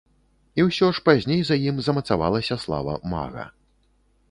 І ўсё ж пазней за ім замацавалася слава мага.